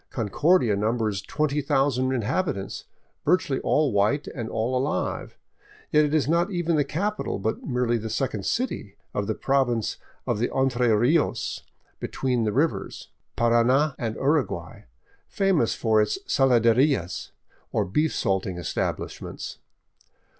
Concordia numbers twenty thousand inhabitants, virtually all white and all alive. Yet it is not even the capital, but merely the second city of the Province of the Entre Rios —'* Between the Rivers " Parana and Uruguay, famous for its saladerias, or beef salting establishments.